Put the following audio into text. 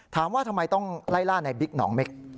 ถามว่าทำไมต้องไล่ล่าในบิ๊กหนองเม็ก